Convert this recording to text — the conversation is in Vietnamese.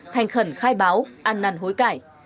tình khẩn khai báo ăn nằn hối cãi